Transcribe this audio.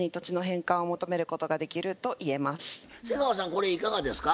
これいかがですか？